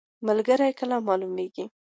ملګری کله معلومیږي؟